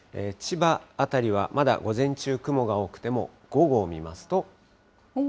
千葉辺りはまだ午前中、雲が多くても午後を見ますと。